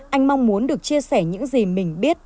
anh mong muốn được chia sẻ những gì mình biết